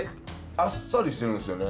あっさりしてるんですよね。